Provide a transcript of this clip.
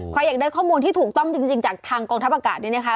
อยากได้ข้อมูลที่ถูกต้องจริงจากทางกองทัพอากาศนี้นะคะ